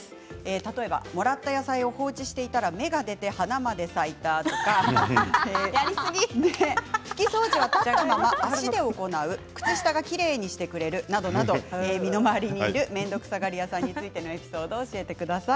例えばもらった野菜を放置していたら芽が出て花まで咲いたとか普通、拭き掃除は立ったまま足で行う靴下がきれいにしてくれるなど身の回りにいる面倒くさがり屋さんについてのエピソードを教えてください。